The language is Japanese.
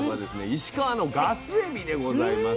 石川のガスエビでございます。